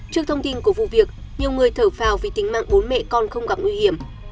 trước thông tin của vụ việc nhiều người thở phào vì tính mạng bốn mẹ con không gặp nguy hiểm